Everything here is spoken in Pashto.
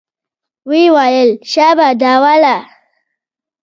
ويې ويل شابه دا واله.